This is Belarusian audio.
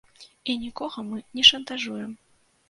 І нікога мы не шантажуем!